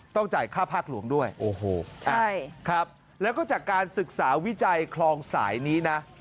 จ่ายค่าภาคหลวงด้วยโอ้โหใช่ครับแล้วก็จากการศึกษาวิจัยคลองสายนี้นะ